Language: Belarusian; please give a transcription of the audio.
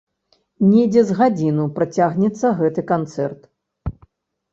Недзе з гадзіну працягнецца гэты канцэрт.